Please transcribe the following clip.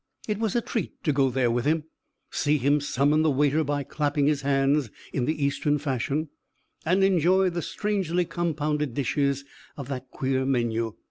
It was a treat to go there with him, see him summon the waiter by clapping his hands (in the eastern fashion), and enjoy the strangely compounded dishes of that queer menu.